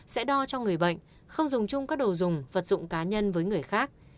sẽ đo cho người bệnh không dùng chung các đồ dùng vật dụng cá nhân với người khác